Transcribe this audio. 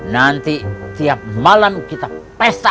nanti tiap malam kita pesta